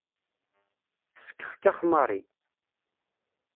Teskexkex Mary.